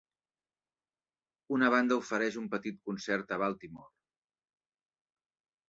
Una banda ofereix un petit concert a Baltimore.